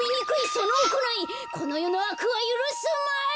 そのおこないこのよのあくはゆるすまじ！